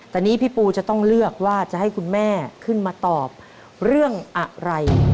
แต่นี้พี่ปูจะต้องเลือกว่าจะให้คุณแม่ขึ้นมาตอบเรื่องอะไร